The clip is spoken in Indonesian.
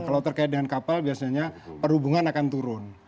kalau terkait dengan kapal biasanya perhubungan akan turun